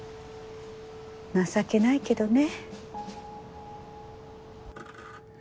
情けないけどね。